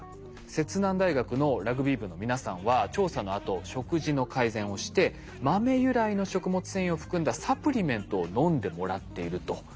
摂南大学のラグビー部の皆さんは調査のあと食事の改善をして豆由来の食物繊維を含んだサプリメントを飲んでもらっていると。